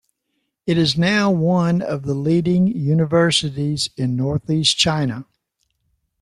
It is now one of the leading universities in Northeast China.